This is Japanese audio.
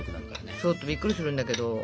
ちょっとびっくりするんだけど。